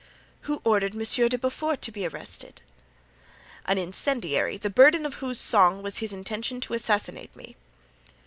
"Who ordered Monsieur de Beaufort to be arrested?" "An incendiary the burden of whose song was his intention to assassinate me."